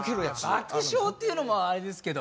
爆笑っていうのもあれですけど。